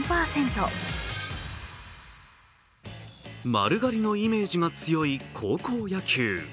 丸刈りのイメージが強い高校野球。